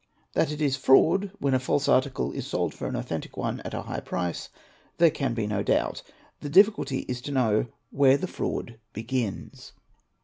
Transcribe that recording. That it is fraud when a false article is sold for an authentic one at a high price there can be no doubt; the difticulty is to know where the fraud begins.